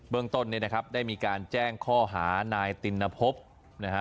ต้นเนี่ยนะครับได้มีการแจ้งข้อหานายตินภพนะฮะ